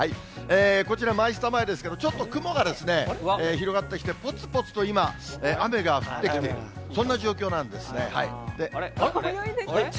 こちら、マイスタ前ですけど、ちょっと雲がですね、広がってきて、ぽつぽつと今、雨が降ってきている、そんな状況なんですね。